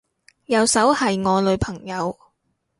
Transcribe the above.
右手係我女朋友